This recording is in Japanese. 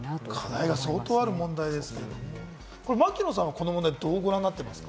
課題がすごくある問題ですけれど、槙野さんはこの問題、どうご覧になってますか？